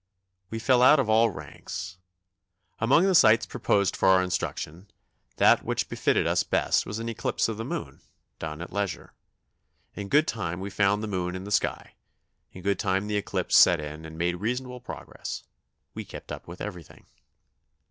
We fell out of all ranks. Among the sights proposed for our instruction, that which befitted us best was an eclipse of the moon, done at leisure. In good time we found the moon in the sky, in good time the eclipse set in and made reasonable progress; we kept up with everything.